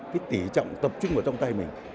cái tỉ trọng tập trung ở trong tay mình